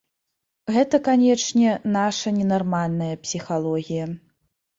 Гэта, канечне, наша ненармальная псіхалогія.